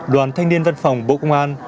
đoàn thanh niên văn phòng bộ công an